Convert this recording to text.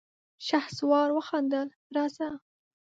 شهسوار وخندل: راځه!